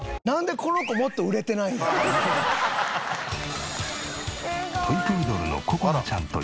なんでこの子もっと売れてないん？